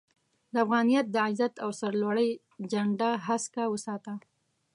د افغانيت د عزت او سر لوړۍ جنډه هسکه وساته